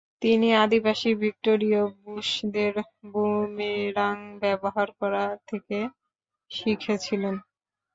তিনি আদিবাসী ভিক্টোরীয় বুশদের বুমেরাং ব্যবহার করা থেকে শিখেছিলেন।